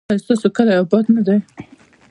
ایا ستاسو کلی اباد نه دی؟